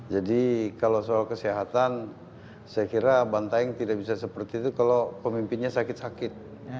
kalau soal kesehatan saya kira bantaing tidak bisa seperti itu kalau pemimpinnya sakit sakit